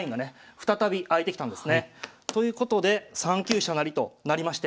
再び開いてきたんですね。ということで３九飛車成となりまして。